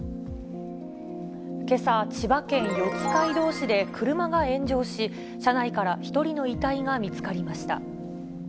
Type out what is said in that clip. けさ、千葉県四街道市で車が炎上し、車内から１人の遺体が見つかりました。